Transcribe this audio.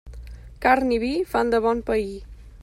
Carn i vi fan de bon pair.